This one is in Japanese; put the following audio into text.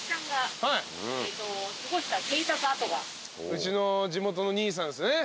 うちの地元の兄さんですね。